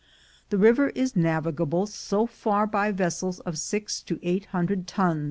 The river is navigable so far by vessels of six or eight hundred ton?